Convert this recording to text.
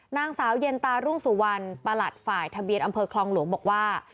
นางสาวเย็นตารุ่งสุวรรณประหลัดฝ่ายทะเบียนอำเภอคลองหลวงบอกว่า